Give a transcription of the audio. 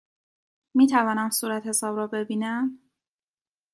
می توانم صورتحساب را ببینم؟